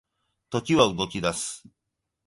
時は動き出す